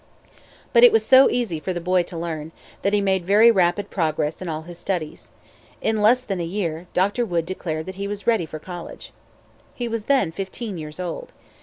But it was so easy for the boy to learn, that he made very rapid progress in all his studies. In less than a year, Dr. Wood declared that he was ready for college. He was then fifteen years old.